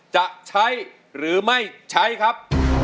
จะใช้หรือไม่ใช้ครับ